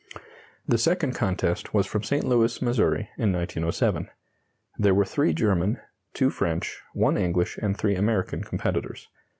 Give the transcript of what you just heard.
The second contest was from St. Louis, Mo., in 1907. There were three German, two French, one English, and three American competitors.